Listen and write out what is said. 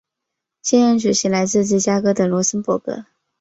现任主席为来自芝加哥的罗森博格。